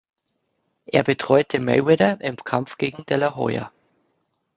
Er betreute Mayweather im Kampf gegen de la Hoya.